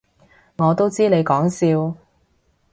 我都知你講笑